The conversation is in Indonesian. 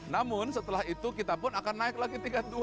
namun setelah itu kita pun akan naik lagi tiga puluh dua